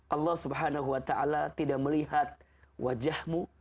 allah subhanahu wa ta'ala tidak melihat wajahmu